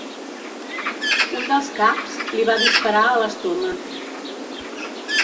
Un dels caps li va disparar a l'estómac.